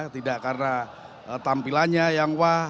tidak karena tampilannya yang wah